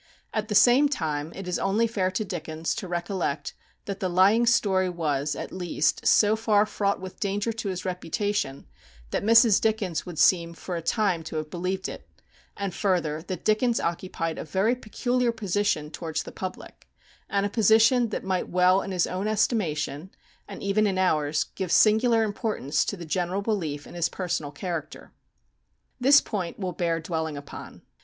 At the same time, it is only fair to Dickens to recollect that the lying story was, at least, so far fraught with danger to his reputation, that Mrs. Dickens would seem for a time to have believed it; and further, that Dickens occupied a very peculiar position towards the public, and a position that might well in his own estimation, and even in ours, give singular importance to the general belief in his personal character. This point will bear dwelling upon.